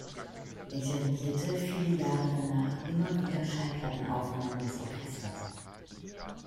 Er dirigierte viele Jahre danach immer wieder Schallplattenaufnahmen des Orchesters.